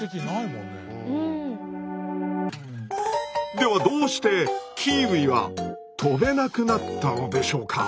ではどうしてキーウィは飛べなくなったのでしょうか？